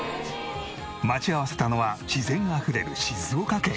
待ち合わせたのは自然あふれる静岡県。